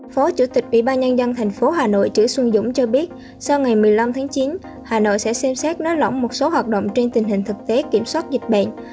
phó chủ tịch ủy ban nhân dân thành phố hà nội chữ xuân dũng cho biết sau ngày một mươi năm tháng chín hà nội sẽ xem xét nới lỏng một số hoạt động trên tình hình thực tế kiểm soát dịch bệnh